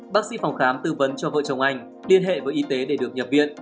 bác sĩ phòng khám tư vấn cho vợ chồng anh liên hệ với y tế để được nhập viện